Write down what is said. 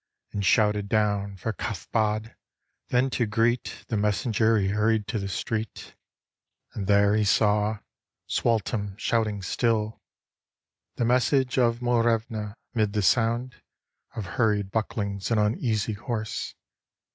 And shouted down for Cathbad; then to greet The messenger he hurried to the street. 122 THE DEATH OF SUALTEM And there he saw Sualtem shouting still The message of Muirevne 'mid the sound Of hurried bucklings and uneasy horse.